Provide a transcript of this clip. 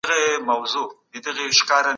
د نوي نظام له مخې د معلولینو حقونو ته پام سوی دی؟